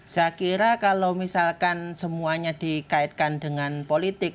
saya kira kalau misalkan semuanya dikaitkan dengan politik